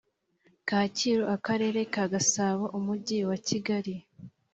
Kacyiru Akarere ka Gasabo Umujyi wa Kigali